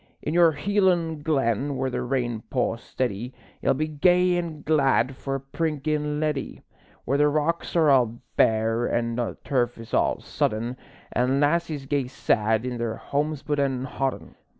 In your Hielan' glen, where the rain pours steady, Ye'll be gay an' glad for a prinkin' leddie; Where the rocks are all bare an' the turf is all sodden, An' lassies gae sad in their homespun an' hodden.